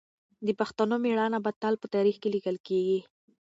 د پښتنو مېړانه به تل په تاریخ کې لیکل کېږي.